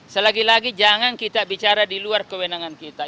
selagi lagi jangan kita bicara di luar kewenangan kita